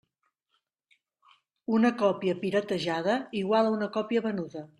Una còpia “piratejada” igual a una còpia venuda.